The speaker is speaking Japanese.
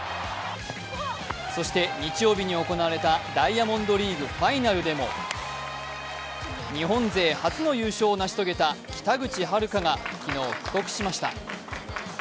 そして、日曜日に行われたダイヤモンドリーグ・ファイナルでも日本勢初の優勝を成し遂げた北口榛花が昨日、帰国しました。